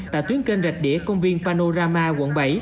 tại tuyến kênh rạch đĩa công viên panorama quận bảy